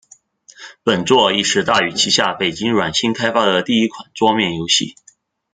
本作亦是大宇旗下北京软星开发的第一款桌面游戏。